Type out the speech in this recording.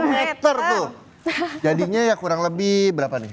sepuluh meter tuh jadinya ya kurang lebih berapa nih tiga puluh dua puluh dua